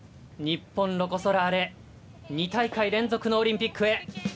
日本ロコ・ソラーレ２大会連続のオリンピックへ。